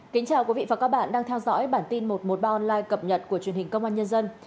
kính chào quý vị và các bạn đang theo dõi bản tin một trăm một mươi ba online cập nhật của truyền hình công an nhân dân